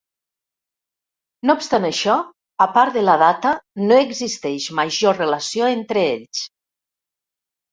No obstant això, a part de la data, no existeix major relació entre ells.